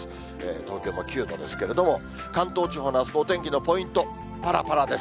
東京も９度ですけれども、関東地方のあすのお天気のポイント、ぱらぱらです。